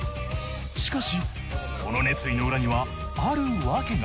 しかしその熱意の裏にはあるワケが。